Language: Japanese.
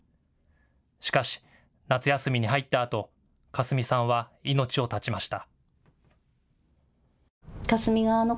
しかし夏休みに入ったあと香澄さんは命を絶ちました。